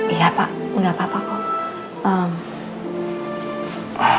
iya pak gak apa apa pak